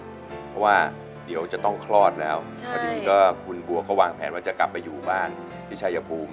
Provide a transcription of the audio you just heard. เพราะว่าเดี๋ยวจะต้องคลอดแล้วพอดีก็คุณบัวเขาวางแผนว่าจะกลับไปอยู่บ้านที่ชายภูมิ